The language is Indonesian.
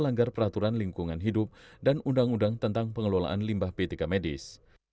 melanggar peraturan lingkungan hidup dan undang undang tentang pengelolaan limbah p tiga medis